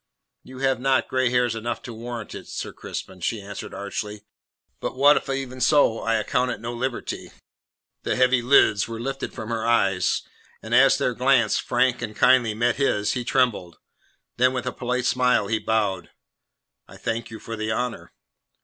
"You have not grey hairs enough to warrant it, Sir Crispin," she answered archly. "But what if even so I account it no liberty?" The heavy lids were lifted from her eyes, and as their glance, frank and kindly, met his, he trembled. Then, with a polite smile, he bowed. "I thank you for the honour."